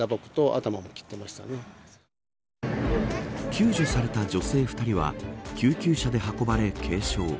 救助された女性２人は救急車で運ばれ、軽傷。